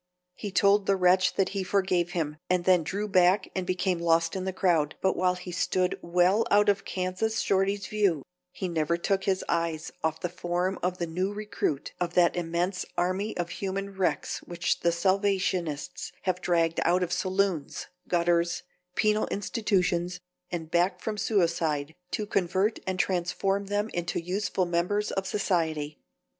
] He told the wretch that he forgave him, and then drew back and became lost in the crowd, but while he stood well out of Kansas Shorty's view, he never took his eyes off the form of the new recruit of that immense army of human wrecks which the Salvationists have dragged out of saloons, gutters, penal institutions and back from suicide to convert and transform them into useful members of society.